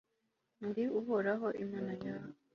ndi uhoraho, imana yawe